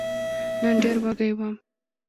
نن ډېر وږی وم !